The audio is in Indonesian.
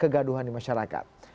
kegaduhan di masyarakat